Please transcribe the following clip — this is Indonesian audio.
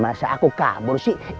masa aku kabur sih